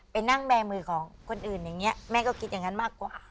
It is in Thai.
ไปนั่งแบร์มือของคนอื่นอย่างนี้แม่ก็คิดอย่างนั้นมากกว่า